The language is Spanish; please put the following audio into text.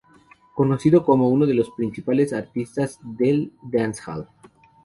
Conocido como uno de los principales artistas del Dancehall.